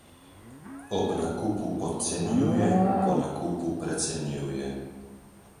Ob nakupu podcenjuje, po nakupu precenjuje.